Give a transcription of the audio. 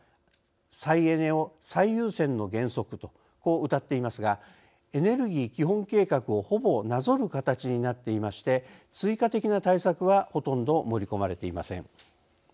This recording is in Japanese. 「再エネを最優先の原則」とこう、うたっていますがエネルギー基本計画をほぼなぞる形になっていまして追加的な対策はほとんど盛り込まれていません。